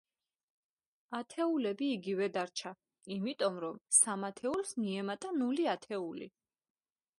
ათეულები იგივე დარჩა, იმიტომ რომ სამ ათეულს მიემატა ნული ათეული.